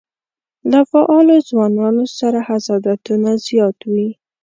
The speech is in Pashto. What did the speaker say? له فعالو ځوانانو سره حسادتونه زیات وي.